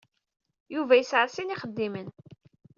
Yuba yesɛa sin n yixeddimen.